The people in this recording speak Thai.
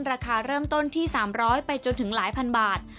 ราคาเริ่มต้นที่๓๐๐ไปจนถึงหลายพันบาท